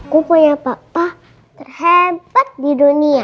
kupunya bapak terhebat di dunia